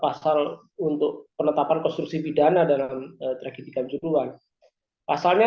pasal untuk penetapan konstruksi pidana dalam tragedikan juduan pasalnya